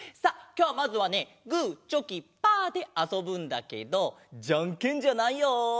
きょうまずはねグーチョキパーであそぶんだけどじゃんけんじゃないよ。